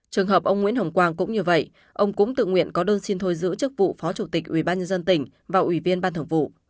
trường hợp ông nguyễn hồng quang cũng như vậy ông cũng tự nguyện có đơn xin thôi giữ chức vụ phó chủ tịch ủy ban nhân dân tỉnh và ủy viên ban thường vụ